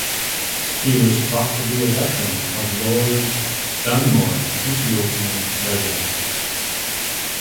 He was thought to be a veteran of Lord Dunmore's Ethiopian Regiment.